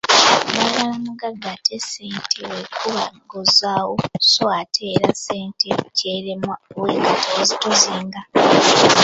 Baagala mugagga, ate n’essente w’ekuba egonzaawo so ate era ssente ky’eremwa ow’enkata tozinga!